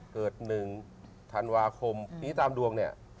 เกิดหนึ่งธันวาคมนี่ตามดวงเนี่ย